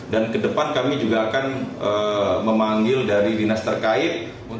dan ke depan kami juga akan memanggil dari dinas terkait